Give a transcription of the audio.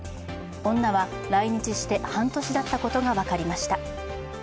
女は来日して半年だったことが分かりました。